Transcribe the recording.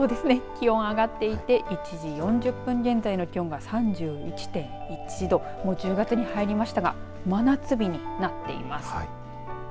気温上がっていて１時４０分現在の気温が３１．１度もう１０月に入りましたが真夏日になっています。